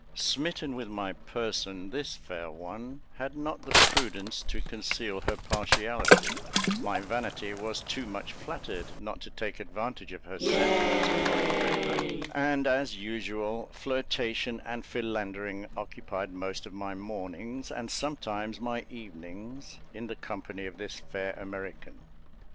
Smitten with my person, this fair one had not the prudence to conceal her partiality: my vanity was too much flattered not to take advantage of her sentiments in my favour; and, as usual, flirtation and philandering occupied most of my mornings, and sometimes my evenings, in the company of this fair American.